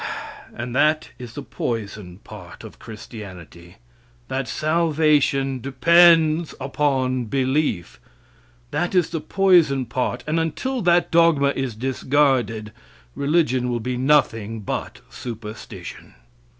And that is the poison part of Christianity that salvation depends upon belief that is the poison part, and until that dogma is discarded religion will be nothing but superstition.